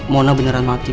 mona beneran mati bu